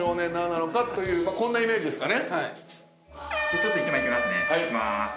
ちょっと１枚いきますねいきまーす。